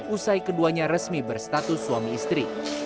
usai keduanya resmi berstatus suami istri